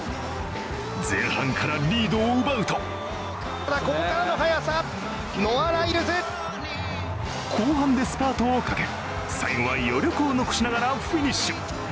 前半からリードを奪うと後半でスパートをかけ、最後は余力を残しながらフィニッシュ。